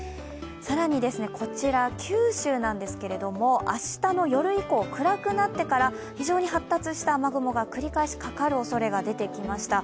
更に、九州は明日の夜以降暗くなってから非常に発達した雨雲が繰り返しかかるおそれが出てきました。